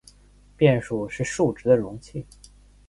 变数是数值的容器。